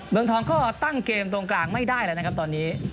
เมืองทองก็ตั้งเกมตรงกลางไม่ได้แล้วนะครับตอนนี้